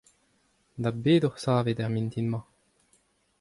Da bet oc'h savet er mintin-mañ ?